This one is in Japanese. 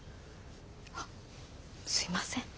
あすいません。